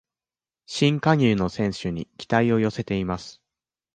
新加入の選手に期待を寄せています